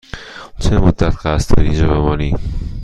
چه مدت قصد داری اینجا بمانی؟